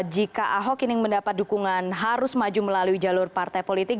jika ahok ini mendapat dukungan harus maju melalui jalur partai politik